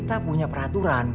sekolah kita punya peraturan